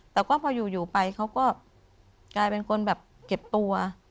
แต่ก็พออยู่ไปเขาก็กลายเป็นคนแบบเก็บตัว